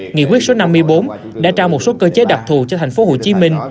nghị quyết số năm mươi bốn đã trao một số cơ chế đặc thù cho tp hcm